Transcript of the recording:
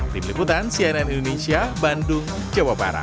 tim liputan cnn indonesia bandung jawa barat